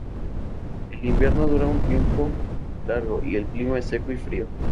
El invierno dura un tiempo largo y el clima es seco y frío.